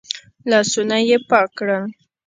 لاسونه يې پاک کړل.